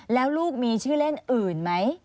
แล้วลูกมีชื่อเล่นอื่นไหม